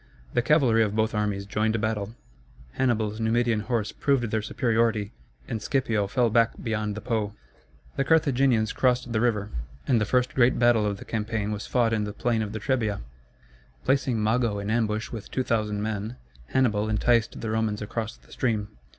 The cavalry of both armies joined battle, Hannibal's Numidian horse proved their superiority, and Scipio fell back beyond the Po. The Carthaginians crossed the river, and the first great battle of the campaign was fought in the plain of the Trebia. Placing Mago in ambush with 2,000 men, Hannibal enticed the Romans across the stream.